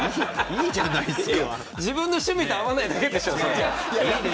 自分の趣味に合わないだけでしょ。